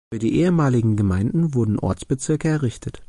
Für die ehemaligen Gemeinden wurden Ortsbezirke errichtet.